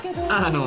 あの！